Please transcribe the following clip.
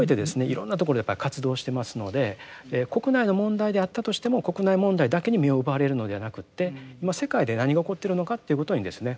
いろんなところで活動してますので国内の問題であったとしても国内問題だけに目を奪われるのではなくて今世界で何が起こっているのかということにですね